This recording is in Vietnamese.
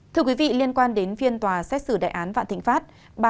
thưa quý vị liên quan đến phiên tòa xét xử đại án vạn thịnh pháp